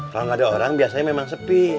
kalau nggak ada orang biasanya memang sepi